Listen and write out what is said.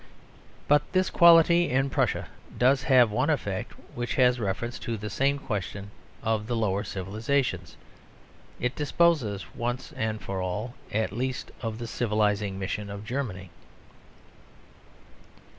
But this quality in Prussia does have one effect which has reference to the same question of the lower civilisations. It disposes once and for all at least of the civilising mission of Germany.